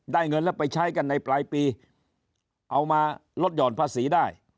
เงินแล้วไปใช้กันในปลายปีเอามาลดหย่อนภาษีได้